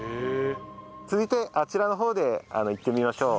続いてあちらの方で行ってみましょう。